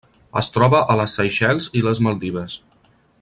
Es troba a les Seychelles i les Maldives.